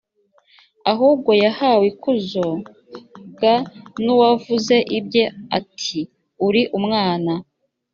ahubwo yahawe ikuzo g n uwavuze ibye ati uri umwana